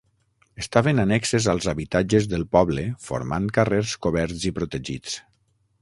Estaven annexes als habitatges del poble formant carrers coberts i protegits.